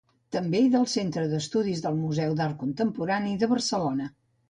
També del Centre d'Estudis del Museu d'Art Contemporani de Barcelona.